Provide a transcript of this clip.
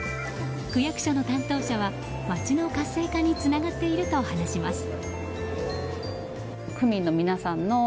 区役所の担当者は街の活性化につながっていると話します。